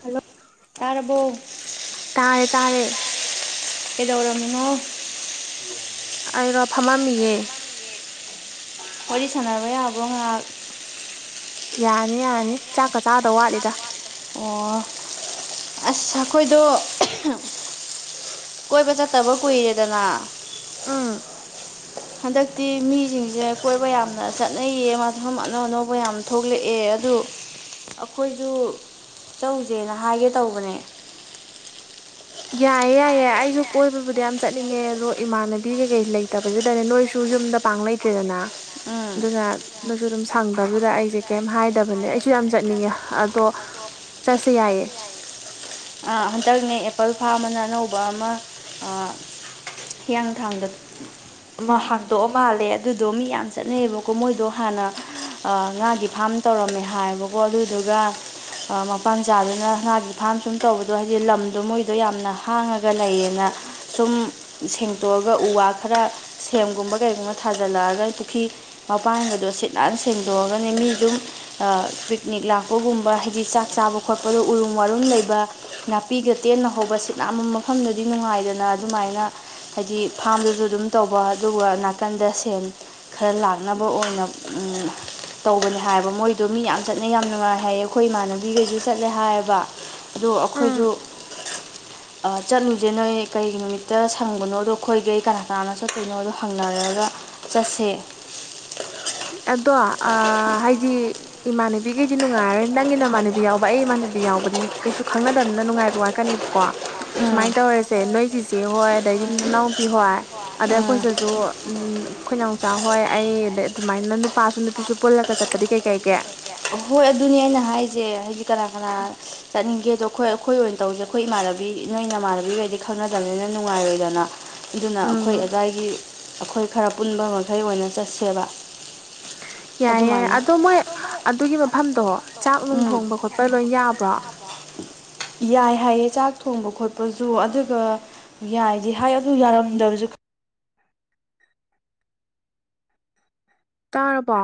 hello ꯇꯥꯔꯦ ꯇꯥꯔꯦ ꯀꯩꯗꯧꯔꯝꯃꯤꯅꯣ ꯑꯩꯔꯣ ꯐꯃꯝꯃꯤꯌꯦ ꯋꯥꯔꯤ ꯁꯥꯅꯕ ꯌꯥꯕꯔꯣ ꯉꯍꯥꯛ ꯌꯥꯅꯤ ꯌꯥꯅꯤ ꯆꯥꯛꯀ ꯆꯥꯗꯧ ꯋꯥꯠꯂꯤꯗ ꯑꯁ ꯑꯈꯣꯢꯗꯣ ꯀꯣꯏꯕ ꯆꯠꯇꯕ ꯀꯨꯏꯔꯦꯗꯅ ꯑꯥ ꯍꯟꯗꯛꯇꯤ ꯃꯤꯁꯤꯡꯁꯦ ꯀꯣꯏꯕ ꯌꯥꯝꯅ ꯆꯠꯅꯩꯌꯦ ꯃꯐꯝ ꯑꯅꯧ ꯑꯅꯧꯕ ꯌꯥꯝ ꯊꯣꯛꯂꯛꯑꯦ ꯑꯗꯨ ꯑꯩꯈꯣꯏꯁꯨ ꯆꯧꯖꯦꯅ ꯍꯥꯏꯒꯦ ꯇꯧꯕꯅꯦ ꯌꯥꯏꯌꯦ ꯌꯥꯏꯌꯦ ꯑꯩꯖꯨ ꯀꯣꯏꯕꯕꯨꯗꯤ ꯌꯥꯝ ꯆꯠꯅꯤꯡꯉꯦ ꯑꯗꯣ ꯏꯃꯥꯟꯅꯕꯤ ꯀꯩꯀꯩ ꯂꯩꯇꯕꯖꯤꯗꯅꯦ ꯅꯣꯏꯁꯨ ꯌꯨꯝꯗ ꯄꯥꯡ ꯂꯩꯇ꯭ꯔꯦꯗꯅ ꯑꯗꯨꯅ ꯅꯣꯏꯁꯨ ꯗꯨꯝ ꯁꯪꯗꯕꯗꯨꯗ ꯑꯩꯁꯦ ꯀꯩꯝ ꯍꯥꯏꯗꯕꯅꯦ ꯑꯩꯁꯨ ꯌꯥꯝ ꯆꯠꯅꯤꯡꯉꯦ ꯑꯗꯣ ꯆꯠꯁꯦ ꯌꯥꯏꯌꯦ ꯍꯟꯗꯛꯅꯦ ꯑꯦꯄꯜ ꯐꯥꯝ ꯑꯅ ꯑꯅꯧꯕ ꯑꯃ ꯍꯤꯌꯥꯡꯊꯥꯡꯗ ꯍꯥꯛꯇꯣꯛꯑ ꯃꯥꯥꯜꯂꯦ ꯑꯗꯨꯗꯣ ꯃꯤ ꯌꯥꯝ ꯆꯠꯅꯩꯑꯕꯀꯣ ꯃꯣꯏꯗꯣ ꯍꯥꯟꯅ ꯉꯥꯒꯤ ꯐꯥꯝ ꯇꯧꯔꯝꯃꯦ ꯍꯥꯏꯌꯦꯕꯀꯣ ꯑꯗꯨꯗꯨꯒ ꯃꯄꯥꯥ ꯃꯆꯥꯗꯨꯅ ꯉꯥꯒꯤ ꯐꯥꯝ ꯁꯨꯝ ꯇꯧꯕꯗꯣ ꯍꯥꯏꯗꯤ ꯂꯝꯗꯣ ꯃꯣꯏꯗꯣ ꯌꯥꯝꯅ ꯍꯥꯡꯉꯒ ꯂꯩꯌꯦꯅ ꯁꯨꯝ ꯁꯦꯡꯇꯣꯛꯑꯒ ꯎ ꯋꯥ ꯈꯔ ꯁꯦꯝꯒꯨꯝꯕ ꯀꯩꯒꯨꯝꯕ ꯊꯥꯖꯤꯜꯂꯛꯑꯒ ꯄꯨꯈ꯭ꯔꯤ ꯃꯄꯥꯟꯒꯗꯣ ꯑꯣ ꯁꯤꯠ ꯅꯥꯅ ꯁꯦꯡꯗꯣꯛꯑꯒꯅꯦ ꯃꯤ ꯑꯗꯨꯝ ꯄꯤꯛꯅꯤꯛ ꯂꯥꯛꯄꯒꯨꯝꯕ ꯍꯥꯏꯗꯤ ꯆꯥꯛ ꯆꯥꯕ ꯈꯣꯠꯄꯗꯨ ꯎꯔꯨꯝ ꯋꯥꯔꯨꯝ ꯂꯩꯕ ꯅꯥꯄꯤꯒ ꯇꯦꯟꯅ ꯍꯧꯕ ꯁꯤ ꯌꯥꯝ ꯃꯐꯝꯗꯨꯗꯤ ꯅꯨꯡꯉꯥꯏꯗꯅ ꯑꯗꯨꯃꯥꯏꯅ ꯍꯥꯏꯗꯤ ꯐꯥꯝꯗꯨꯖꯨ ꯑꯗꯨꯝ ꯇꯧꯕ ꯑꯗꯨꯒ ꯅꯥꯀꯟꯗ ꯁꯦꯟ ꯈꯔ ꯂꯥꯛꯅꯕ ꯑꯣꯏꯅ ꯇꯧꯕꯅꯦ ꯍꯥꯏꯕ ꯃꯣꯏꯗꯣ ꯃꯤ ꯌꯥꯝ ꯆꯠꯅꯩ ꯌꯥꯝ ꯅꯨꯡꯉꯥꯏ ꯍꯥꯏꯌꯦ ꯑꯩꯈꯣꯏ ꯏꯃꯥꯟꯅꯕꯤꯒꯩꯖꯨ ꯑꯗꯣ ꯑꯩꯈꯣꯏꯖꯨ ꯆꯠꯂꯨꯖꯦ ꯅꯣꯏ ꯀꯩ ꯅꯨꯃꯤꯠꯇ ꯁꯪꯕꯅꯣꯗꯣ ꯑꯩꯈꯣꯏꯒꯩ ꯀꯅꯥ ꯀꯅꯥ ꯆꯠꯇꯣꯏꯅꯣꯗꯣ ꯍꯪꯅꯔꯒ ꯆꯠꯁꯦ ꯑꯗꯣ [inaudible] ꯍꯥꯏꯗꯤ ꯏꯃꯥꯟꯅꯕꯤꯈꯩꯗꯤ ꯅꯨꯡꯉꯥꯏꯔꯔꯣꯢ ꯅꯪꯒꯤ ꯅꯃꯥꯟꯅꯕꯤ ꯌꯥꯎꯕ ꯑꯩ ꯏꯃꯥꯟꯅꯕꯤ ꯌꯥꯎꯕꯗꯤ ꯀꯩꯁꯨ ꯈꯪꯅꯗꯕꯅꯤꯅ ꯅꯨꯡꯉꯥꯏꯕ ꯋꯥꯠꯀꯅꯦꯕꯀꯣ ꯁꯨꯃꯥꯏꯅ ꯇꯧꯔꯁꯦ ꯅꯣꯏ ꯆꯆꯦ ꯍꯣꯏ ꯑꯗꯩꯗꯤ ꯅꯅꯥꯎꯄꯤ ꯍꯣꯏ ꯑꯗꯩ ꯑꯩꯈꯣꯏꯁꯤꯁꯨ ꯈꯣꯏꯅꯥꯎꯆꯥ ꯍꯣꯏ ꯑꯩ ꯑꯗꯨꯃꯥꯏꯅ ꯅꯨꯄꯥꯁꯨ ꯅꯨꯄꯤꯁꯨ ꯄꯨꯜꯂꯒ ꯆꯠꯄꯗꯤ ꯀꯩ ꯀꯥꯏꯒꯦ ꯍꯣꯏ ꯑꯗꯨꯅꯦ ꯑꯩꯅ ꯍꯥꯏꯖꯦ ꯍꯥꯏꯗꯤ ꯀꯅꯥ ꯀꯅꯥ ꯆꯠꯅꯤꯡꯒꯦꯗ ꯑꯩꯈꯣꯏ ꯑꯩꯈꯣꯏ ꯑꯣꯏꯅ ꯇꯧꯁꯦ ꯑꯩꯈꯣꯏ ꯏꯃꯥꯟꯅꯕꯤ ꯅꯣꯏ ꯏꯃꯥꯟꯅꯕꯤꯒꯩꯗꯤ ꯈꯪꯅꯗꯕꯅꯤꯅ ꯅꯨꯡꯉꯥꯏꯔꯣꯏꯗꯅ ꯑꯗꯨꯅ ꯑꯩꯈꯣꯏ ꯑꯗꯥꯏꯒꯤ ꯑꯩꯈꯣꯏ ꯈꯔ ꯄꯨꯟꯕ ꯃꯈꯩ ꯑꯣꯏꯅ ꯆꯠꯁꯦꯕ ꯌꯥꯏ ꯌꯥꯏ ꯑꯗꯣ ꯃꯣꯏ ꯑꯗꯨꯒꯤ ꯃꯐꯝꯗꯣ ꯆꯥꯛ ꯅꯨꯡ ꯊꯣꯡꯕ ꯈꯣꯠꯄ ꯂꯣꯏ ꯌꯥꯕ꯭ꯔꯣ ꯌꯥꯏ ꯍꯥꯏꯌꯦ ꯆꯥꯛ ꯊꯣꯡꯕ ꯈꯣꯠꯄꯁꯨ ꯑꯗꯨꯒ ꯌꯥꯏꯗꯤ ꯍꯥꯏ ꯑꯗꯨ ꯌꯥꯔꯝꯗꯕꯁꯨ ꯈꯪ ꯇꯥꯔꯕꯣ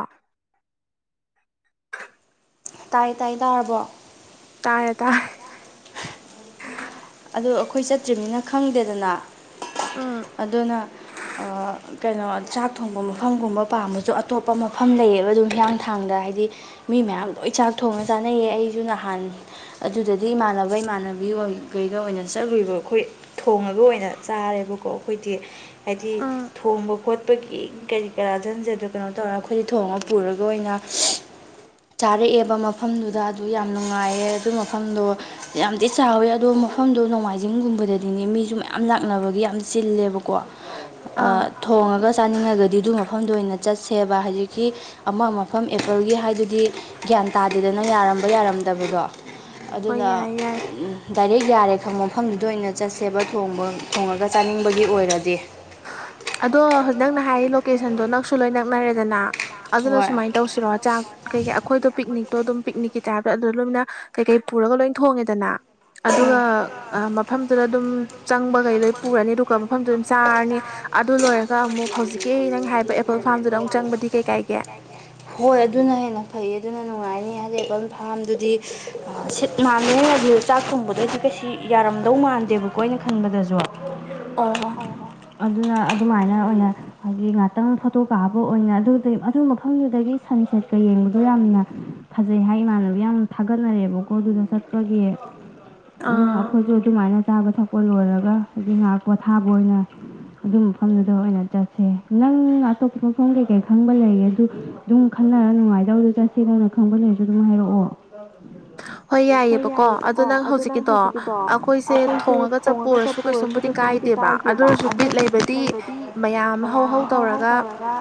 ꯇꯥꯏ ꯇꯥꯏ ꯇꯥꯔꯕꯣ ꯑꯗꯨ ꯑꯩꯈꯣꯏ ꯆꯠꯇ꯭ꯔꯤꯕꯅꯤꯅ ꯈꯪꯗꯦꯗꯅ ꯑꯗꯨꯅ ꯀꯩꯅꯣ ꯆꯥꯛ ꯊꯣꯡꯕ ꯃꯐꯝꯒꯨꯝꯕ ꯄꯥꯝꯕꯁꯨ ꯑꯇꯣꯞꯄ ꯃꯐꯝ ꯂꯩꯌꯦꯕ ꯑꯗꯨꯝ ꯍꯤꯌꯥꯡꯊꯥꯡꯗ ꯍꯥꯏꯗꯤ ꯃꯤ ꯃꯌꯥꯝ ꯂꯣꯏ ꯆꯥꯛ ꯊꯣꯡꯅ ꯆꯥꯅꯩꯌꯦ ꯑꯩꯁꯨ ꯅꯍꯥꯟ ꯑꯗꯨꯗꯗꯤ ꯏꯃꯥꯟꯅꯕ ꯏꯃꯥꯟꯅꯕ ꯕꯤꯒ ꯑꯣꯏꯅ ꯆꯠꯂꯨꯕ ꯑꯩꯈꯣꯏ ꯊꯣꯡꯉꯒ ꯑꯣꯏꯅ ꯆꯥꯔꯦꯕꯀꯣ ꯑꯩꯈꯣꯏꯗꯤ ꯍꯥꯏꯗꯤ ꯊꯣꯡꯕ ꯈꯣꯠꯄꯒꯤ ꯀꯔꯤ ꯀꯔꯥꯟꯁꯗꯣ ꯀꯩꯅꯣ ꯇꯧꯔꯒ ꯑꯩꯈꯣꯏꯗꯤ ꯊꯣꯡꯉ ꯄꯨꯔꯒ ꯑꯣꯏꯅ ꯆꯥꯔꯛꯑꯦꯕ ꯃꯐꯝꯗꯨꯗ ꯑꯗꯨ ꯌꯥꯝ ꯅꯨꯡꯉꯥꯏꯌꯦ ꯑꯗꯨ ꯃꯐꯝꯗꯣ ꯌꯥꯝ ꯆꯥꯎꯋꯦ ꯑꯗꯣ ꯃꯐꯝꯗꯣ ꯅꯣꯡꯃꯥꯏꯖꯤꯡꯒꯨꯝꯕꯗꯗꯤꯅꯦ ꯃꯤꯁꯨ ꯃꯌꯥꯝ ꯂꯥꯛꯅꯕꯒꯤ ꯌꯥꯝ ꯆꯤꯜꯂꯦꯕꯀꯣ ꯊꯣꯡꯉꯒ ꯆꯥꯅꯤꯡꯉꯒꯗꯤ ꯑꯗꯨ ꯃꯐꯝꯗ ꯑꯣꯏꯅ ꯆꯠꯁꯤ ꯁꯦꯕ ꯍꯧꯖꯤꯛꯀꯤ ꯑꯃ ꯃꯐꯝ ꯑꯦꯄꯜꯒꯤ ꯍꯥꯏꯗꯨꯗꯤ ꯒ꯭ꯌꯥꯟ ꯇꯥꯗꯦꯗꯅꯪ ꯌꯥꯔꯝꯕ ꯌꯥꯔꯝꯗꯕꯗꯣ ꯑꯗꯨꯅ ꯗꯥꯏꯔꯦꯛ ꯌꯥꯔꯦ ꯃꯐꯝꯗꯨꯗ ꯑꯣꯏꯅ ꯆꯠꯁꯦꯕꯕ ꯊꯣꯡꯉꯒ ꯆꯥꯅꯤꯡꯕꯒꯤ ꯑꯣꯏꯔꯗꯤ ꯑꯗꯣꯛ ꯅꯪꯅ ꯍꯥꯏ ꯂꯣꯀꯦꯁꯟꯗꯣ ꯅꯛꯁꯨ ꯂꯣꯏ ꯅꯛꯅꯔꯦꯗꯅ ꯑꯗꯨꯅ ꯁꯨꯃꯥꯏꯅ ꯇꯧꯁꯤꯔꯣ ꯆꯥꯛ ꯀꯩꯀꯩ ꯑꯩꯈꯣꯏꯗꯣ ꯄꯤꯛꯅꯤꯛꯇꯣ ꯑꯗꯨꯝ ꯄꯤꯅꯤ ꯇꯥꯏꯞꯇ ꯑꯗꯨꯗ ꯂꯣꯏꯅ ꯀꯩ ꯀꯩ ꯄꯨꯔꯒ ꯂꯣꯏꯅ ꯊꯣꯡꯉꯦꯗꯅ ꯑꯗꯨꯒ ꯃꯐꯝꯗꯨꯗ ꯑꯗꯨꯝ ꯆꯪꯕꯈꯩ ꯂꯣꯏ ꯄꯨꯔꯅꯤ ꯑꯗꯨꯒ ꯃꯐꯝꯗꯨ ꯑꯗꯨꯝ ꯆꯥꯔꯅꯤ ꯍꯣꯏ ꯑꯗꯨ ꯑꯗꯨꯅ ꯍꯦ ꯐꯩ ꯑꯗꯨꯅ ꯅꯨꯡꯉꯥꯏ ꯅꯨꯡꯉꯥꯏꯅꯤ ꯍꯧꯖꯤꯛ ꯐꯥꯔꯝꯗꯨꯗꯤ ꯁꯤꯠ ꯃꯥꯟꯗꯗꯤ ꯆꯥꯛ ꯊꯣꯡꯕꯗꯩꯁꯨ ꯀꯩꯁꯨ ꯌꯥꯔ ꯀꯗꯧ ꯃꯥꯟꯗꯦꯕꯀꯣꯏ ꯑꯅ ꯈꯟꯕꯗꯁꯨ ꯑꯣ ꯑꯗꯨꯅ ꯑꯗꯨꯃꯥꯏꯅ ꯑꯣꯏꯅ ꯍꯥꯏꯒꯤ ꯉꯥꯛꯇꯪ ꯐꯣꯇꯣ ꯀꯥꯕ ꯑꯣꯏꯅ ꯑꯗꯨꯗꯩ ꯑꯗꯨ ꯃꯐꯝꯗꯨꯗꯒꯤꯟ ꯁꯦꯠꯀ ꯌꯦꯡꯕꯗꯣ ꯌꯥꯝꯅ ꯐꯖꯩ ꯍꯥꯏ ꯏꯃꯥꯟꯅꯕ ꯌꯥꯝ ꯊꯥꯒꯠꯅꯔꯦꯕꯀꯣ ꯑꯗꯨꯗ ꯆꯠꯄꯒꯤ ꯑꯗꯨꯅ ꯑꯩꯈꯣꯏꯁꯨ ꯑꯗꯨꯃꯥꯏꯅ ꯆꯥꯕ ꯊꯛꯄ ꯂꯣꯏꯔꯒ ꯑꯗꯨ ꯉꯥꯏꯍꯥꯛ ꯄꯣꯊꯥꯕ ꯑꯣꯏꯅ ꯑꯗꯨ ꯃꯐꯝꯗꯨꯗ ꯑꯣꯏꯅ ꯆꯠꯁꯦ ꯅꯪ ꯑꯇꯣꯞꯄ ꯃꯐꯝ ꯀꯩꯀꯩ ꯈꯪꯕ ꯂꯩꯌꯦꯦ ꯑꯗꯨ ꯑꯗꯨꯝ ꯈꯅ ꯅꯨꯡꯉꯥꯏꯗꯕꯗꯨꯣ ꯆꯠꯁꯦꯗꯧꯅ ꯈꯪꯕꯅꯦꯔꯁꯨ ꯑꯗꯨꯝ ꯍꯥꯏꯔꯛꯑꯣ ꯍꯣꯏ ꯌꯥꯏꯑꯕꯀꯣ ꯑꯗꯨ ꯅꯪ ꯍꯧꯖꯤꯛꯀꯤꯗꯣ ꯑꯩꯈꯣꯏꯁꯦ ꯊꯣꯡꯉꯒ ꯆꯄ ꯀꯁꯁꯨ ꯀꯩꯁꯨꯕꯨꯗꯤ ꯀꯥꯏꯗꯦꯕ ꯑꯗꯨꯒꯤ ꯂꯩꯕꯗꯤ ꯃꯌꯥꯝ ꯍꯔ ꯍꯥꯎ ꯍꯧꯧꯔꯒ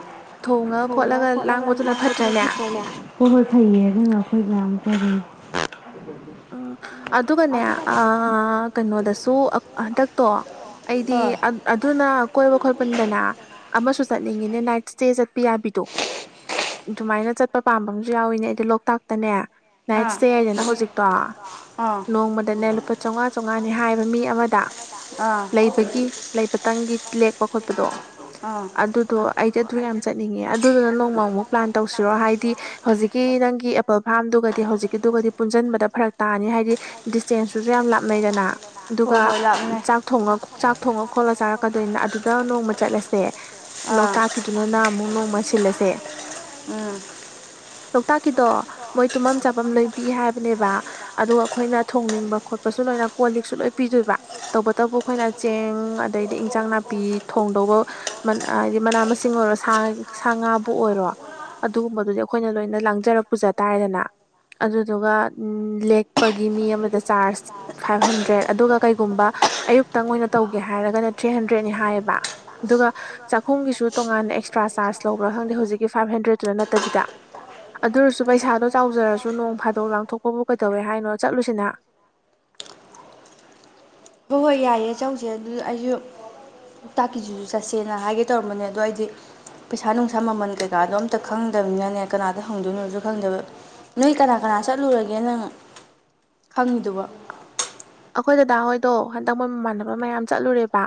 ꯊꯣꯡꯉ ꯈꯣꯠꯂꯒ ꯍꯥꯏꯗꯨꯅ ꯐꯅꯦ ꯍ ꯍꯣꯏ ꯐꯩꯌꯦ ꯅ ꯑꯩꯈꯣꯏ ꯇꯝ ꯐ [unintelligible] ꯎꯝ ꯑꯗꯨꯒꯅꯦ ꯑ ꯀꯩꯅꯣꯗꯁꯨ ꯍꯟꯗꯛꯇꯣ ꯑꯩꯗꯤ ꯑꯗꯨꯅ ꯀꯣꯏꯕ ꯈꯣꯠꯄꯗꯅ ꯑꯃꯁꯨ ꯆꯠꯅꯤꯡꯉꯤꯅꯦ ꯅꯥꯏꯠ ꯁ꯭ꯇꯦ ꯆꯠꯄ ꯌꯥꯕꯤꯗꯣ ꯑꯗꯨꯃꯥꯏꯅ ꯆꯠꯄ ꯄꯥꯝꯕ ꯑꯃꯁꯨ ꯌꯥꯎꯋꯤꯅꯦ ꯑꯩꯗꯣ ꯂꯣꯛꯇꯥꯛꯇꯅꯦ ꯅꯥꯏꯠ ꯏꯁꯇꯦ ꯍꯥꯏꯗꯅ ꯍꯧꯖꯤꯛ ꯇꯣ ꯅꯣꯡꯃꯗꯅꯦ ꯂꯨꯄꯥ ꯆꯥꯝꯃꯉꯥ ꯆꯥꯝꯃꯉꯥꯅꯦ ꯍꯥꯏꯕ ꯃꯤ ꯑꯃꯗ ꯂꯩꯕꯒꯤ ꯂꯩꯕꯇꯪꯒꯤ ꯂꯦꯛꯄ ꯈꯣꯠꯄꯗꯣ ꯑꯗꯨꯗꯣ ꯑꯩꯗꯤ ꯑꯗꯨ ꯌꯥꯝ ꯆꯠꯅꯤꯡꯉꯦ ꯑꯗꯨꯗꯨꯅ ꯅꫭꯡꯃꯥ ꯑꯃꯨꯛ ꯄꯥꯑꯜ ꯇꯧꯁꯤꯔꫭ ꯍꯥꯏꯗꯤ ꯍꯧꯖꯤꯛꯀꯤ ꯅꯪꯒꯤ ꯑꯦꯄꯜ ꯐꯥꯔꯝ ꯑꯗꯨꯒꯗꯤ ꯍꯧꯖꯤꯛꯀꯤꯗꯨꯒꯗꯤ ꯄꯨꯟꯁꯤꯟꯕꯗ ꯇꯥꯅꯤ ꯍꯥꯏꯗꯤ ꯗꯤꯁꯇꯦꯟꯁꯁꯨꯨꯁꯨ ꯌꯥꯝ ꯂꯥꯞꯅꯩꯗꯅ ꯑꯗꯨꯒ ꯆ ꯆꯥꯛ ꯊꯣꯡꯉ ꯈꯣꯠꯂ ꯆꯥꯔꯛꯀꯗꯣꯏꯅꯤ ꯑꯗꯨꯗ ꯅꯣꯡꯃ ꯆꯠꯂꯁꯦ ꯂꯣꯛꯇꯥꯛꯀꯤꯗꯨꯅꯅ ꯑꯃꯨꯛ ꯅꯣꯡꯃ ꯁꯤꯜꯂꯁꯦ ꯎꯝ ꯀꯗꯣ ꯃꯣꯏ ꯇꯨꯝꯐꯝꯐꯝ ꯆꯥꯐꯝ ꯂꯣꯏ ꯄꯤ ꯍꯥꯏꯕꯅꯦꯕ ꯑꯗꯨꯒ ꯑꯩꯈꯣꯏꯅ ꯊꯣꯡꯅꯤꯡꯕ ꯈꯣꯠꯄꯁꯨ ꯂꯣꯏꯅ ꯀꯣꯜ ꯂꯤꯛꯁꯨ ꯂꯣꯏꯅ ꯄꯤꯗꯣꯏꯕ ꯇꯧꯕꯇꯕꯨ ꯑꯩꯈꯣꯏꯅ ꯆꯦꯡ ꯑꯗꯩ ꯑꯗꯤ ꯏꯟꯁꯥꯡ ꯅꯥꯄꯤ ꯊꯣꯡꯗꯧꯕ ꯍꯥꯏꯗꯤ ꯃꯅꯥ ꯃꯁꯤꯡ ꯑꯣꯏꯔꯣ ꯁꯥ ꯁꯥ ꯉꯥꯕꯨ ꯑꯣꯏꯔꯣ ꯑꯗꯨꯒꯨꯝꯕꯗꯨꯗꯤ ꯑꯩꯈꯣꯏꯅ ꯂꯣꯏꯅ ꯂ ꯆꯔꯛ ꯄꯨꯖ ꯇꯥꯔꯦꯗꯅ ꯑꯗꯨꯗꯨꯒ ꯂꯦꯛꯄꯒꯤ ꯃꯤ ꯑꯃꯗ ꯆꯥꯔꯖ ꯐꯥꯏꯚ ꯍꯟꯗ꯭ꯔꯦꯠ ꯑꯗꯨꯒ ꯀꯩꯒꯨꯝꯕ ꯑꯌꯨꯛꯇꯪ ꯑꯣꯏꯅ ꯇꯧ ꯍꯧꯒꯦ ꯍꯥꯏꯔꯒꯅ ꯊ꯭ꯔꯤ ꯍꯟꯗ꯭ꯔꯦꯗꯅꯤ ꯍꯥꯏꯌꯦꯕ ꯑꯗꯨꯒ ꯆꯥꯛꯈꯨꯝꯒꯤꯁꯨ ꯇꯣꯉꯥꯟꯅ ꯑꯦꯛꯁꯇ꯭ꯔꯥ ꯆꯥꯔꯖ ꯂꯧꯕ꯭ꯔꯥ ꯈꯪꯗꯦ ꯍꯧꯖꯤꯛꯀꯤ ꯐꯥꯏꯚ ꯍꯟꯗ꯭ꯔꯦꯠꯇꯨꯅ ꯅꯠꯇꯕꯤꯗ ꯑꯗꯨꯔꯁꯨ ꯄꯩꯁꯥꯗꯣ ꯆꯥꯎꯖꯔꯁꯨ ꯅꯣꯡ ꯐꯥꯗꯣꯛ ꯂꯥꯡꯊꯣꯛ ꯀꯣꯕ ꯀꯩꯗꯧꯋꯦ ꯍꯥꯏꯅꯣ ꯆꯠꯂꯨꯁꯤꯅ ꯍꯣꯏ ꯍꯣꯏ ꯌꯥꯏꯑꯦ ꯆꯆꯧꯁꯦ ꯑꯗꯨꯗ ꯑꯩꯁꯨ ꯍꯣꯛꯇꯥꯛꯀꯤꯖꯨꯁꯨ ꯆꯠꯁꯦꯅ ꯍꯥꯏꯒꯦ ꯇꯧꯔꯝꯕꯅꯦ ꯑꯗꯣ ꯑꯩꯗꯤ ꯄꯩꯁꯥ ꯅꯨꯡꯁꯥ ꯃꯃꯟ ꯀꯩꯀꯥꯗꯣ ꯑꯝꯇ ꯈꯪꯗꯕꯅꯤꯅꯅꯦ ꯀꯅꯥꯗ ꯍꯪꯗꯣꯏꯅꯣꯁꯨ ꯈꯪꯗꯕ ꯅꯣꯏ ꯀꯅꯥ ꯀꯅꯥ ꯆꯠꯂꯨꯔꯒꯦ ꯅꯪ ꯈꯪꯉꯤꯗꯨꯕ ꯑꯩꯈꯣꯏ ꯗꯗꯥꯍꯣꯏꯗꯣ ꯍꯟꯗꯛ ꯃꯣꯏ ꯃꯃꯥꯟꯅꯕ ꯃꯌꯥꯝ ꯆꯠꯂꯨꯔꯦꯕ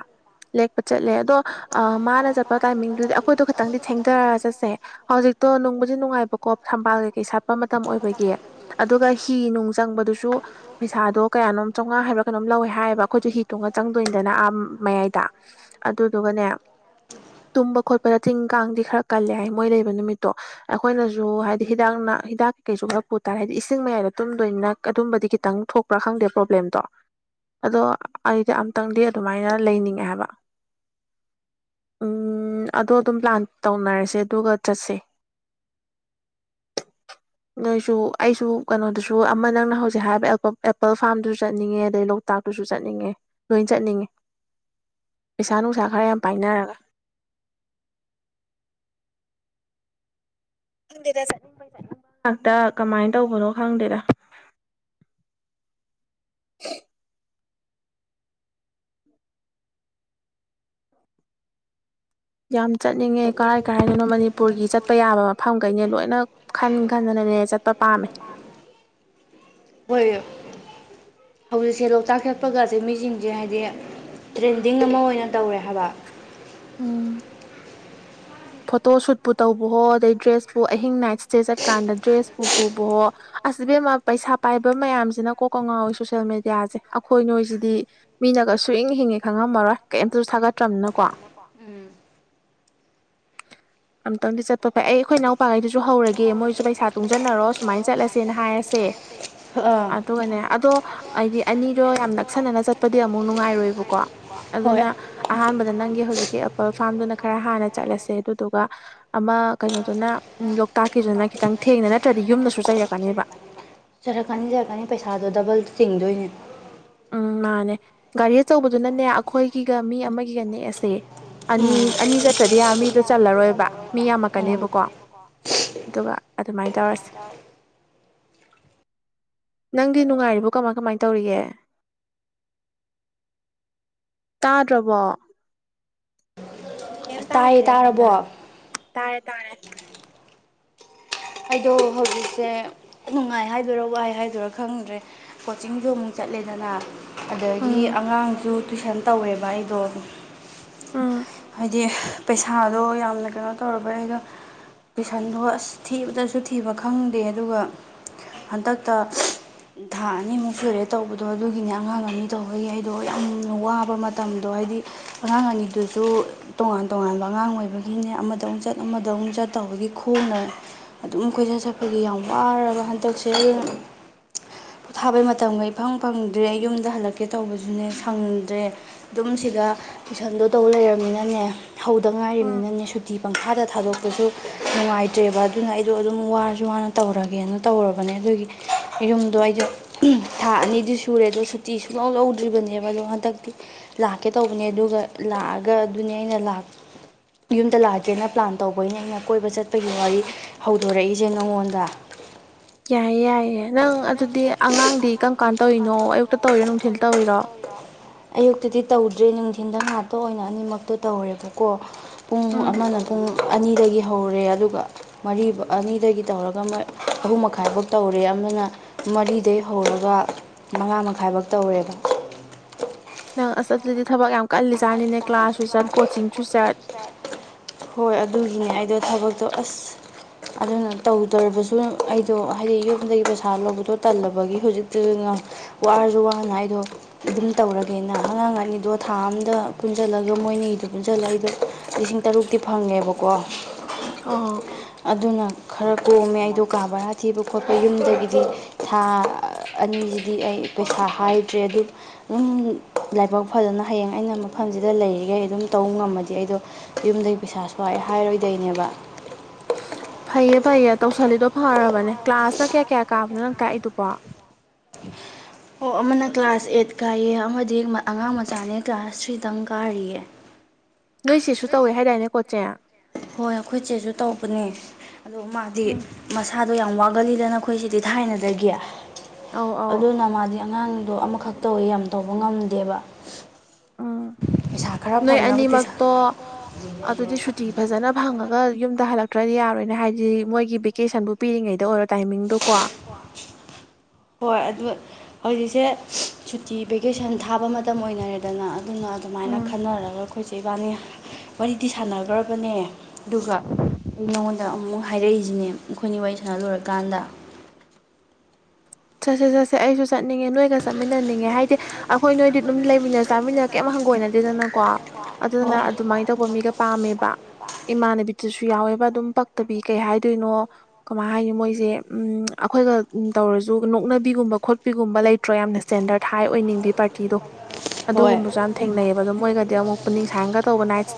ꯂꯦꯛꯄ ꯆꯠꯂꯦ ꯑꯗꯣ ꯃꯥꯅ ꯆꯠꯄ ꯇꯥꯏꯃꯤꯡꯗꯨꯗꯤ ꯑꯩꯈꯣꯏꯗꯣ ꯈꯈꯤꯇꯪꯗꯤ ꯊꯦꯡꯊꯔꯒ ꯆꯠꯁꯦ ꯍꯧꯖꯤꯛꯇ ꯑꯇꯣ ꯅꯨꯡꯕꯨꯗꯤ ꯅꯨꯡꯉꯥꯏꯕꯀꯣ ꯊꯝꯕꯥꯜ ꯀꯩꯀꯩ ꯁꯥꯠꯄ ꯃꯇꯝ ꯑꯣꯏꯕꯒꯤ ꯑꯗꯨꯒ ꯍꯤ ꯅꯨꯡ ꯆꯪꯕꯗꯨꯁꯨ ꯄꯩꯁꯥꯗꯣ ꯀꯌꯥꯅꯣ ꯆꯥꯝꯃꯉꯥ ꯍꯥꯏꯕꯥ ꯀꯩꯅꯣꯝ ꯂꯧꯋꯦ ꯍꯥꯏꯌꯦꯕ ꯑꯩꯈꯣꯏꯁꯨ ꯍꯤ ꯇꯣꯡꯉ ꯆꯪꯗꯣꯏꯅꯤꯗꯅ ꯑꯥ ꯃꯌꯥꯏꯗ ꯑꯗꯨꯗꯨꯒꯅꯦ ꯇꯨꯝꯕ ꯈꯣꯠꯄꯗ ꯊꯤꯟ ꯀꯥꯡꯗꯤ ꯈꯔ ꯀꯜꯂꯦ ꯍꯥꯏ ꯃꯣꯏ ꯂꯩꯕ ꯅꯨꯃꯤꯠꯇꯣ ꯑꯩꯈꯣꯏꯅꯁꯨ ꯍꯥꯏꯗꯤ ꯍꯤꯗꯥꯛꯅꯥ ꯍꯤꯗꯥꯛ ꯀꯩꯀꯩꯁꯨ ꯈꯔ ꯄꯨ ꯇꯥꯔꯦ ꯍꯥꯏꯗꯤ ꯏꯁꯤꯡ ꯃꯌꯥꯏꯗ ꯇꯨꯝꯗꯣꯏꯅꯤꯅ ꯑꯗꯨꯝꯕꯗꯤ ꯈꯤꯪ ꯊꯣꯛꯄ꯭ꯔꯥ ꯈꯪꯗꯦ ꯄ꯭ꯔꯣꯕ꯭ꯂꯦꯝꯗ ꯑꯗꯣ ꯑꯩꯗꯤ ꯑꯝꯇꯪꯗꯤ ꯑꯗꯨꯃꯥꯏꯅ ꯂꯩꯅꯤꯡꯉꯦ ꯍꯥꯏꯕ ꯎꯝ ꯑꯗꯣ ꯑꯗꯨꯝ ꯄ꯭ꯂꯥꯟ ꯇꯧꯅꯔꯁꯦ ꯑꯗꯨꯒ ꯆꯠꯁꯦ [inaudible] ꯅꯣꯏꯁꯨ ꯑꯩꯁꯨ ꯀꯩꯅꯣꯗꯨꯁꯨ ꯑꯃ ꯅꯪꯅ ꯍꯧꯖꯤꯛ ꯍꯥꯏꯔꯤꯕ ꯑꯦꯄꯜ ꯐꯥꯔꯝꯗꯨꯁꯨ ꯆꯠꯅꯤꯡꯉꯦ ꯑꯗꯩ ꯂꯣꯛꯇꯥꯛꯇꯨꯁꯨ ꯆꯠꯅꯤꯡꯉꯦ ꯂꯣꯏ ꯆꯠꯅꯤꯡꯉꯦ ꯄꯩꯁꯥ ꯅꯨꯡꯁꯥ ꯈꯔ ꯌꯥꯝ ꯄꯥꯏꯅꯔꯒ [inaudible] ꯅꯤꯡꯅꯤꯡ ꯉꯥꯛꯇ ꯀꯃꯥꯏꯅ ꯇꯧꯕꯅꯣ ꯈꯪꯗꯦꯔ ꯍꯥ ꯌꯥꯝ ꯆꯠꯅꯤꯡꯉꯦ ꯀꯔꯥꯏ ꯀꯔꯥꯏꯗꯅꯣ ꯃꯅꯤꯄꯨꯔꯒꯤ ꯆꯠꯄ ꯌꯥꯕ ꯃꯐꯝꯈꯩꯅꯦ ꯂꯣꯏꯅ ꯈꯟ ꯈꯟꯗꯅꯅꯦ ꯆꯠꯄ ꯄꯥꯝꯃꯦ ꯑꯣꯏꯣꯏ ꯍꯧꯖꯤꯛꯁꯦ ꯂꯣꯛꯇꯥꯛ ꯁꯦꯠꯄꯒꯁꯦ ꯃꯤꯁꯤꯡꯁꯦ ꯍꯥꯏꯗꯤ ꯇ꯭ꯔꯦꯟꯗꯤꯡ ꯑꯃ ꯑꯣꯏꯅ ꯇꯧꯔꯦ ꯍꯥꯏꯕ ꯑꯥ ꯐꯣꯇꯣ ꯁꯨꯠꯄꯨ ꯇꯧꯕꯍꯣ ꯑꯗꯩ ꯗ꯭ꯔꯦꯁꯄꯨ ꯑꯍꯤꯡ ꯅꯥꯏꯠ ꯏꯁꯇꯦ ꯆꯠꯀꯥꯟꯗ ꯗ꯭ꯔꯦꯁꯄꯨ ꯄꯨꯕꯍꯣ ꯑꯁꯤꯕꯦꯝꯃ ꯄꯩꯁꯥ ꯄꯥꯏꯕ ꯃꯌꯥꯝꯁꯤꯅ ꯀꯣꯛ ꯀ ꯉꯥꯎꯋꯤ ꯁꯣꯁꯦꯜ ꯃꯦꯗꯤꯌꯥꯁꯦ ꯑꯩꯈꯣꯏ ꯅꯣꯏꯁꯤꯗꯤ ꯃꯤꯅ ꯁ ꯏꯪ ꯍꯤꯡꯉꯦ ꯈꯪꯉꯝꯃꯔꯣꯏ ꯀꯩꯝꯇꯁꯨ ꯊꯥꯒꯠꯇ꯭ꯔꯅꯤꯅ ꯀꯣ ꯎꯝ ꯑꯝꯇꯪꯗꯤ ꯆꯠꯄꯣ ꯐꯩ ꯑꯩꯈꯣꯏ ꯅꯅꯥꯎꯄꯥꯈꯩꯗꯨꯁꯨ ꯍꯧꯔꯒꯦ ꯃꯣꯏꯁꯨ ꯄꯩꯁꯥ ꯇꯨꯡꯁꯤꯟꯅꯔꯣ ꯁꯨꯃꯥꯏꯅ ꯆꯠꯂꯁꯦꯅ ꯍꯥꯏꯔꯁꯦ ꯑꯗꯨꯒꯅꯦ ꯑꯗꯣ ꯍꯥꯏꯗꯤ ꯑꯅꯤꯗꯣ ꯌꯥꯝ ꯅꯛꯁꯟꯅꯅ ꯆꯠꯄꯗꯤ ꯑꯃꯨꯛ ꯅꯨꯡꯉꯥꯏꯔꯣꯏꯕꯀꯣ ꯑꯗꯨꯅ ꯑꯍꯥꯟꯕꯗ ꯅꯪꯒꯤ ꯍꯧꯖꯤꯛꯀꯤ ꯑꯦꯄꯜ ꯐꯥꯔꯝꯗꯨꯅ ꯈꯔ ꯍꯥꯟꯅ ꯆꯠꯂꯁꯦ ꯑꯗꯨꯗꯨꯒ ꯑꯃ ꯀꯩꯅꯣꯗꯨꯅ ꯂꯣꯛꯇꯥꯛꯀꯤꯗꯨꯅ ꯈꯤꯇꯪ ꯊꯦꯡꯅ ꯅꯠꯇ꯭ꯔꯗꯤ ꯌꯨꯝꯗꯁꯨ ꯆꯠ ꯒ ꯀꯅꯤꯕ ꯆꯔꯛꯀꯅꯤ ꯆꯔꯛꯀꯅꯤ ꯄꯩꯁꯥꯗꯣ ꯗꯕꯜ ꯆꯤꯡꯗꯣꯏꯅꯦ ꯎꯝ ꯃꯥꯥꯟꯅꯦ ꯒꯥꯔꯤ ꯑꯆꯧꯕꯗꯨꯅꯅꯦ ꯑꯩꯈꯣꯏꯒꯤꯒ ꯃꯤ ꯑꯃꯒꯤꯒ ꯅꯦꯛꯑꯁꯦ ꯑꯅꯤ ꯑꯅꯤ ꯆꯠꯇ꯭ꯔꯗꯤ ꯌꯥ ꯃꯤꯗꯣ ꯆꯜꯂꯔꯣꯏꯕ ꯃꯤ ꯌꯥꯝꯃꯛꯀꯅꯦꯕꯀꯣ ꯑꯗꯨꯒ ꯑꯗꯨꯃꯥꯏꯅ ꯇꯧꯔꯁꯦ ꯅꯪꯗꯤ ꯅꯨꯡꯉꯥꯏꯔꯤꯕꯣ ꯀꯃꯥꯏ ꯀꯃꯥꯏ ꯇꯧꯔꯤꯒꯦ [inaudible] ꯇꯥꯔꯕꯣ ꯀꯩꯝ ꯇꯥꯗ꯭ꯔꯦ ꯑꯩꯉꯣꯟꯗ ꯇꯥꯔꯦ ꯇꯥꯔꯦ ꯑꯩꯗꯣ ꯍꯧꯖꯤꯛꯁꯦ ꯅꯨꯡꯉꯥꯏ ꯍꯥꯏꯗꯣꯏꯔꯥ ꯋꯥꯏ ꯍꯥꯏꯗꯣꯏꯔꯥ ꯈꯪꯗ꯭ꯔꯦ ꯀꯣꯆꯤꯡꯁꯨꯣ ꯑꯃꯨꯛ ꯆꯪꯦ ꯆꯠꯂꯦꯗꯅ ꯑꯗꯒꯤ ꯑꯉꯥꯡꯁꯨ ꯇꯨꯏꯁꯟ ꯇꯧꯋꯦꯕ ꯑꯩꯗꯣ ꯍꯥꯏꯗꯤ ꯄꯩꯁꯥꯗꯣ ꯌꯥꯝꯅ ꯀꯩꯅꯣ ꯇꯧꯔꯕ ꯑꯩꯗꯣ ꯄꯦꯁꯟꯗꯣ ꯑꯁ ꯊꯤꯕꯗꯁꯨ ꯊꯤꯕ ꯈꯪꯗꯦ ꯑꯗꯨꯒ ꯍꯟꯗꯛꯇ ꯊꯥ ꯑꯅꯤꯃꯨꯛ ꯁꯨꯔꯦ ꯇꯧꯕꯗꯣ ꯑꯗꯨꯒꯤꯅꯦ ꯑꯉꯥꯡ ꯑꯅꯤ ꯇꯧꯕꯒꯤ ꯑꯩꯗꯣ ꯌꯥꯝ ꯋꯥꯕ ꯃꯇꯝꯗꯣ ꯍꯥꯏꯗꯤ ꯑꯉꯥꯡ ꯑꯅꯤꯗꯨꯁꯨ ꯇꯣꯉꯥꯟ ꯇꯣꯉꯥꯟꯕ ꯑꯉꯥꯡ ꯑꯣꯏꯕꯒꯤꯅꯦ ꯑꯃꯗ ꯑꯃꯨꯛ ꯆꯠ ꯑꯃꯗ ꯑꯃꯨꯛ ꯆꯠ ꯇꯧꯕꯒꯤ ꯈꯣꯡꯅ ꯑꯗꯨꯝ ꯀꯣꯏꯁꯠ ꯁꯠꯄꯒꯤ ꯌꯥꯝ ꯋꯥꯔꯕ ꯍꯟꯗꯛꯁꯦ [inaudible] ꯊꯥꯕꯩ ꯃꯇꯝꯒ ꯏꯐꯪ ꯐꯪꯗ꯭ꯔꯦ ꯌꯨꯝꯗ ꯍꯜꯂꯛꯀꯦ ꯇꯧꯕꯁꯨꯅꯦ ꯁꯪꯗ꯭ꯔꯦ ꯑꯗꯨꯝ ꯁꯤꯗ ꯇꯨꯏꯁꯟꯗꯣ ꯇꯧ ꯂꯩꯔꯃꯤꯅꯅꯦ ꯍꯧꯗ ꯉꯥꯏꯔꯤꯕꯅꯤꯅꯅꯦ ꯁꯨꯇꯤ ꯄꯪꯈꯥꯗ ꯊꯥꯗꯣꯛꯄꯁꯨ ꯅꯨꯡꯉꯥꯏꯇ꯭ꯔꯦꯕ ꯑꯗꯨꯅ ꯑꯩꯗꯣ ꯑꯗꯨꯝ ꯋꯥꯔꯁꯨ ꯋꯥꯅ ꯇꯧꯔꯒꯦꯅ ꯇꯧꯔꯕꯅꯦ ꯑꯗꯨꯒꯤ ꯌꯨꯝꯗꯣ ꯑꯩꯗ ꯂꯥꯛꯑ ꯑꯅꯤꯗꯤ ꯁꯨꯔꯦ ꯑꯗꯣ ꯁꯨꯇꯤ ꯁꯨꯡꯂꯧ ꯂꯧꯗ꯭ꯔꯤꯕꯅꯦꯕ ꯑꯗꯣ ꯍꯟꯗꯛꯇꯤ ꯂꯥꯛꯀꯦ ꯇꯧꯕꯅꯦ ꯑꯗꯨꯒ ꯑ ꯑꯗꯨꯅꯤ ꯑꯩꯅ ꯌꯨꯝꯗ ꯂꯥꯛꯑꯀꯦꯅ ꯄ꯭ꯂꯥꯟ ꯇꯧꯕꯩꯅꯦ ꯑꯩꯅ ꯀꯣꯏꯕ ꯆꯠꯄꯒꯤ ꯋꯥꯔꯤ ꯍꯧꯗꯣꯔꯛꯏꯁꯦ ꯅꯉꯣꯟꯗ ꯅꯪ ꯑꯗꯨꯗꯤ ꯑꯉꯥꯡꯗꯤ ꯀꯔꯝ ꯀꯥꯟ ꯇꯧꯔꯤꯅꯣ ꯑꯌꯨꯛꯇ ꯇꯧꯔꯤꯔꯣ ꯅꯨꯡꯊꯤꯜ ꯇꯧꯔꯤꯔꯣ ꯑꯌꯨꯛꯇꯗꯤ ꯇꯧꯗ꯭ꯔꯦ ꯅꯨꯡꯊꯤꯟꯗ ꯉꯥꯛꯇ ꯑꯣꯏꯅ ꯑꯅꯤꯃꯛꯇꯣ ꯇꯧꯔꯦꯕꯀꯣ ꯄꯨꯡ ꯑꯃꯅ ꯄꯨꯡ ꯑꯅꯤꯗꯒꯤ ꯍꯧꯔꯦ ꯑꯗꯨꯒ ꯃꯔꯤ ꯑꯅꯤꯗꯒꯤ ꯇꯧꯔꯒ ꯑꯍꯨꯝ ꯃꯈꯥꯏꯐꯧ ꯇꯧꯔꯦ ꯑꯗꯨꯅ ꯃꯔꯤꯗꯩ ꯍꯧꯔꯒ ꯃꯉꯥ ꯃꯈꯥꯏꯐꯛ ꯇꯧꯔꯦꯕ ꯅꯪ ꯑꯁꯠꯇꯗꯤ ꯊꯕꯛ ꯌꯥꯝ ꯀꯜꯂꯤꯖꯥꯠꯅꯤꯅꯦ ꯀ꯭ꯂꯥꯁꯁꯨ ꯆꯠ ꯀꯣꯆꯤꯡꯁꯨ ꯆꯠ ꯍꯣꯏ ꯑꯗꯨꯒꯤꯅꯦ ꯑꯩꯗꯣ ꯊꯕꯛꯇꯣ ꯑꯁ ꯑꯗꯨꯅ ꯇꯧꯗ꯭ꯔꯕꯁꯨ ꯑꯩꯗꯣ ꯍꯥꯏꯗꯤ ꯌꯨꯝꯗꯒꯤ ꯄꯩꯁꯥ ꯂꯧꯕꯗꯣ ꯇꯜꯂꯕꯒꯤ ꯍꯧꯖꯤꯛꯇ ꯋꯥꯔꯁꯨ ꯋꯥꯅ ꯍꯥꯏꯗꯣ ꯑꯗꯨꯝ ꯇꯧꯔꯒꯦꯅ ꯑꯉꯥꯡ ꯑꯅꯤꯗꯣ ꯊꯥ ꯑ ꯑꯃꯗ ꯄꯨꯟꯖꯟ ꯑꯣ ꯃꯣꯏꯅꯒꯤꯗ ꯄꯨꯟꯁꯤꯜꯂ ꯑꯩꯗꯣ ꯂꯤꯁꯤꯡ ꯇꯔꯨꯛꯇꯤ ꯐꯪꯉꯦꯕꯀꯣ ꯑꯥ ꯈꯔ ꯀꯣꯝꯃꯦ ꯑꯩ ꯗꯣꯀꯥ ꯕꯔꯥ ꯊꯤꯕ ꯈꯣꯠꯄ ꯌꯨꯝꯗꯒꯤꯗꯤ ꯊꯥ ꯑꯅꯤꯁꯤꯗꯤ ꯑꯩ ꯄꯩꯁꯥ ꯍꯥꯏꯗ꯭ꯔꯦ ꯑꯗꯨ ꯑꯗꯨꯝ ꯂꯥꯏꯕꯛ ꯐꯖꯅ ꯍꯌꯦꯡ ꯑꯩꯅ ꯃꯐꯝꯁꯤꯗ ꯂꯩꯔꯤꯈꯩ ꯑꯗꯨꯝ ꯇꯧꯕ ꯉꯝꯃꯗꯤ ꯑꯩꯗꯣ ꯌꯨꯝꯗꯒꯤ ꯄꯩꯁꯥꯁꯨ ꯋꯥꯑ ꯍꯥꯏꯔꯣꯏꯗꯣꯏꯅꯦꯕ ꯐꯩꯌꯦ ꯐꯩꯌꯦ ꯇꯧꯁꯜꯂꯤꯗꯣ ꯐꯔꯕꯅꯦ ꯀ꯭ꯂꯥꯁꯅ ꯀꯌꯥ ꯀꯌꯥ ꯀꯥꯕꯅꯣ ꯅꯪ ꯀꯥꯛꯏꯗꯨꯄꯥ [inaudible] ꯑꯣ ꯑꯃꯅ ꯀ꯭ꯂꯥꯁ ꯑꯦꯠ ꯀꯥꯏꯌꯦ ꯑꯃꯗꯤ ꯑꯉꯥꯡ ꯃꯆꯥꯅꯦ ꯀ꯭ꯂꯥꯁ ꯊ꯭ꯔꯤꯗꯪ ꯀꯥꯔꯤꯌꯦ ꯅꯣꯏ ꯁꯤꯁꯨ ꯇꯧꯋꯦ ꯍꯥꯏꯗꯥꯏꯅꯦ ꯈꯣꯠꯁꯦ ꯍꯣꯏ ꯑꯩꯈꯣꯏ ꯏ ꯆꯦꯁꯨ ꯇꯧꯕꯅꯦ ꯑꯣ ꯃꯥꯗꯤ ꯃꯁꯥ ꯑꯗꯣ ꯌꯥꯝ ꯋꯥꯒꯜꯂꯤꯗ ꯅ ꯑꯩꯈꯣꯏꯁꯤꯗꯤ ꯊꯥꯏꯅꯗꯒꯦ ꯑꯗꯨꯅ ꯃꯥꯗꯤ ꯑꯉꯥꯡꯗꯣ ꯑꯃꯈꯛꯛꯇꯧꯋꯤ ꯌꯥꯝ ꯇꯧꯕ ꯉꯝꯗꯦꯕ ꯎꯝ ꯅꯣꯏ ꯑꯅꯤꯃꯛꯇꯣ ꯑꯗꯨꯗꯤ ꯁꯨꯇꯤ ꯐꯖꯅ ꯐꯪꯉꯒ ꯌꯨꯝꯗ ꯍꯜꯂꯛꯇ꯭ꯔꯗꯤ ꯌꯥꯔꯣꯏꯅꯦ ꯍꯥꯏꯗꯤ ꯃꯣꯏꯒꯤ ꯚꯦꯀꯦꯁꯟꯕꯨ ꯄꯤꯔꯤꯉꯩꯗ ꯑꯣꯏꯔꯣ ꯇꯥꯏꯃꯤꯡꯗꯣ ꯀꯣ [inaudible] ꯍꯣꯏ ꯑꯗꯨ ꯍꯧꯖꯤꯛꯁꯦ ꯁꯨꯇꯤ ꯚꯦꯀꯦꯁꯟ ꯊꯥꯕ ꯃꯇꯝ ꯑꯣꯏꯅꯔꯦꯗꯅ ꯑꯗꯨꯅ ꯑꯗꯨꯃꯥꯏꯅ ꯈꯟꯅꯔꯒ ꯑꯩꯈꯣꯏꯁꯦ ꯏꯕꯥꯅꯤ ꯋꯥꯔꯤꯗꯤ ꯁꯥꯟꯅꯈ꯭ꯔꯕꯅꯦ ꯑꯗꯨꯒ ꯑꯩ ꯅꯉꯣꯟꯗ ꯑꯃꯨꯛ ꯍꯥꯏꯔꯛꯏꯁꯤꯅꯦ ꯃꯈꯈꯣꯏꯅꯤ ꯋꯥꯔꯤ ꯁꯥꯟꯅ ꯂꯨꯔꯀꯥꯟꯗ ꯆꯠꯁꯦ ꯆꯠꯁꯦ ꯑꯩꯁꯨ ꯆꯠꯅꯤꯡꯉꯦ ꯅꯣꯏꯒ ꯆꯠꯃꯤꯟꯅꯅꯤꯡꯉꯦ ꯍꯥꯏꯗꯤ ꯑꯩꯈꯣꯏ ꯅꯣꯏꯗꯤ ꯑꯗꯨꯝ ꯂꯩꯃꯤꯟꯅ ꯆꯥꯃꯤꯟꯅ ꯀꯩꯝ ꯪ ꯀꯅꯗꯗꯅꯀꯣ ꯑꯗꯨꯅ ꯑꯗꯨꯃꯥꯏꯅ ꯇꯧꯕ ꯃꯤꯒ ꯄꯥꯝꯃꯦꯕ ꯏꯃꯥꯟꯅꯕꯤ ꯑꯗꯨꯨꯁꯨ ꯌꯥꯎꯋꯦꯕ ꯑꯗꯨꯝ ꯄꯛꯇꯕꯤ ꯀꯩ ꯍꯥꯏꯗꯣꯏꯅꯣ ꯀꯃꯥꯏ ꯍꯥꯏꯅꯤ ꯃꯣꯏꯁꯦ ꯑꯩꯈꯣꯏꯒ ꯇꯧꯔꯁꯨ ꯨ ꯅꯣꯛꯅꯕꯤꯒꯨꯝꯕ ꯈꯣꯠꯄꯤꯒꯨꯝꯕ ꯂꯩꯇ꯭ꯔꯣ ꯌꯥꯝꯅ ꯏꯁ꯭ꯇꯦꯟꯗꯔꯠ ꯍꯥꯏ ꯑꯣꯏꯅꯤꯡꯕꯤ ꯄꯥꯔꯇꯤꯗꯣ ꯑꯗꯨꯒꯨꯝꯕꯁꯨ ꯌꯥꯝ ꯊꯦꯡꯅꯩꯑꯕ ꯑꯗꯨꯝ ꯃꯣꯏꯒꯗꯤ ꯑꯃꯨꯛ ꯄꯨꯅꯤꯡ ꯁꯥꯏꯅꯒ ꯇꯧꯕ ꯅꯥꯏꯠ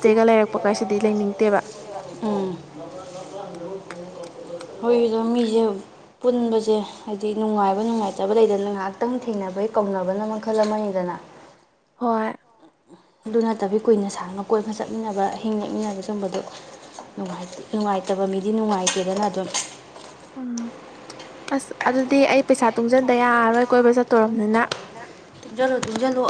ꯎꯝ ꯍꯗ ꯃꯤꯖ ꯄꯨꯟꯕꯁꯦ ꯍꯥꯏꯗꯤ ꯅꯨꯡꯉꯥꯏꯕ ꯅꯨꯡꯉꯥꯏꯇꯕ ꯂꯩꯗꯅ ꯉꯥꯏꯍꯥꯛꯇꯪ ꯊꯦꯡꯅꯕꯩ ꯀꯧꯅꯕꯅ ꯃꯈꯜ ꯑꯃꯗꯅ ꯑ [unintelligible] ꯍꯣꯏ ꯑꯗꯨ ꯅꯠꯇꯕꯤ ꯀꯨꯏꯅ ꯁꯥꯡꯅ ꯀꯣꯏꯠꯅ ꯆꯠꯃꯤꯟꯅꯕ ꯑꯍꯤꯡ ꯅꯦꯛꯃꯤꯟꯅꯕ ꯁꯨꯝꯕꯗꯣ ꯅꯨꯡꯉꯥꯏꯇꯕ ꯃꯤꯗꯤ ꯅꯨꯡꯉꯥꯏꯇꯦꯗꯅ ꯑꯗꯨꯝ ꯑꯁ ꯑꯗꯨꯗꯤ ꯑꯩ ꯄꯩꯁꯥ ꯇꯨꯡꯁꯤꯟꯗ ꯌꯥꯔꯔꯣꯏ ꯀꯣꯏꯕ ꯆꯠꯇꯣꯔꯔꯕꯅꯤꯅ ꯖꯂꯣꯂꯣ